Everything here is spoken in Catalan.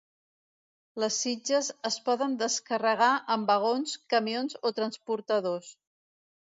Les sitges es poden descarregar en vagons, camions o transportadors.